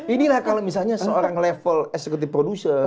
inilah kalau misalnya seorang level eksekutif producer